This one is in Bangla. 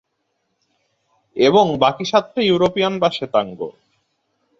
এবং বাকি সাতটা ইউরোপীয়ান বা শেতাঙ্গ।